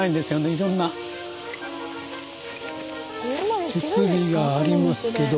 いろんな設備がありますけど。